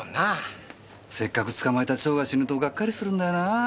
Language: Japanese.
せっかく捕まえた蝶が死ぬとガッカリするんだよなぁ。